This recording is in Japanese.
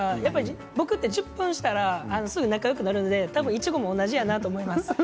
やっぱり僕って１０分したらすぐ仲よくなるので多分いちごも同じやなと思います。